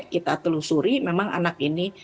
kita telusuri memang anak ini